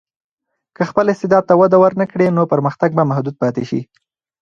که خپل استعداد ته وده ورنکړې، نو پرمختګ به محدود پاتې شي.